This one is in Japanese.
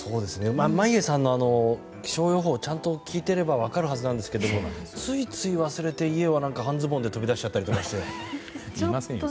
眞家さんの気象予報をちゃんと聞いていれば分かるはずなんですけれどもついつい、忘れて家を、半ズボンで飛び出しちゃったりとかして。